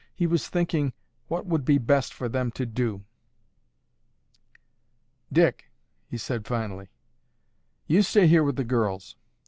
He was thinking what would be best for them to do. "Dick," he said finally, "you stay here with the girls.